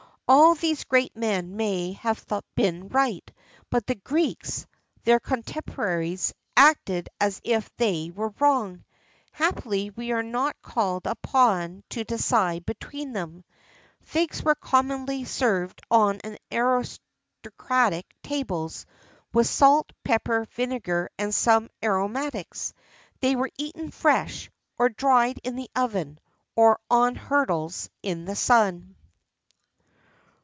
[XIII 65] All these great men may have been right, but the Greeks, their contemporaries, acted as if they were wrong: happily we are not called upon to decide between them. Figs were commonly served on aristocratic tables with salt, pepper, vinegar, and some aromatics; they were eaten fresh, or dried in the oven, or on hurdles in the sun.